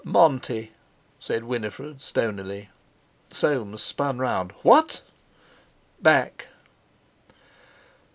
"Monty!" said Winifred stonily. Soames spun round. "What!" "Back!"